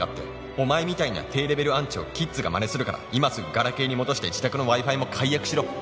「お前みたいな低レヴェルアンチをキッズがマネするから今すぐガラケーに戻して自宅のＷｉ−Ｆｉも解約しろ！」